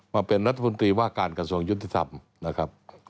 มาเป็นรัฐมนตรีว่าการกระทรวงยุติธรรมนะครับ